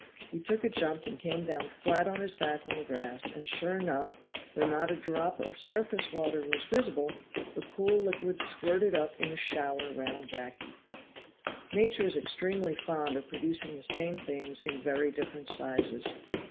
He took a jump and came down flat on his back on the grass, and sure enough, though not a drop of surface water was visible, the cool liquid squirted up in a shower round Jacky. Nature is extremely fond of producing the same things in very different sizes.